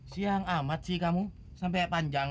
siang amat sih kamu sampai panjang